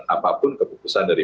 apapun keputusan dari